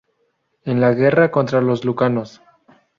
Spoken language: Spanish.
En la guerra contra los lucanos.